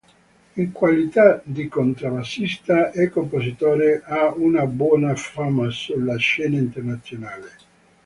In qualità di contrabbassista e compositore ha una buona fama sulla scena internazionale.